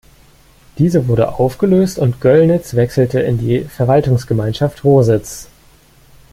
Diese wurde aufgelöst und Göllnitz wechselte in die Verwaltungsgemeinschaft Rositz.